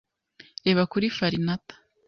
Reba kuri Farinata